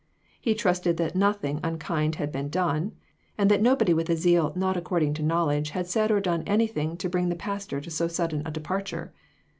He trusted that nothing unkind had been done; and that nobody with a zeal not according to knowledge had said or done anything to bring the pastor to so sudden a departure.